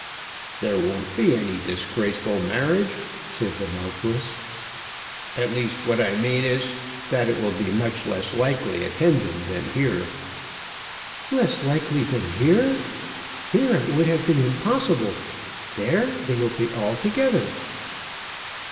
"There won't be any disgraceful marriage," said the Marquis. "At least, what I mean is, that it will be much less likely at Hendon than here." "Less likely than here! Here it would have been impossible. There they will be all together."